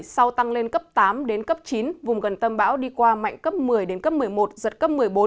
sau tăng lên cấp tám đến cấp chín vùng gần tâm bão đi qua mạnh cấp một mươi đến cấp một mươi một giật cấp một mươi bốn